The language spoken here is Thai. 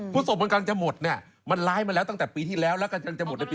ศพมันกำลังจะหมดเนี่ยมันร้ายมาแล้วตั้งแต่ปีที่แล้วแล้วกำลังจะหมดในปี